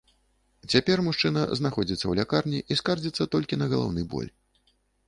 Цяпер мужчына знаходзіцца ў лякарні і скардзіцца толькі на галаўны боль.